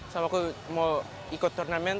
sama aku mau ikut turnamen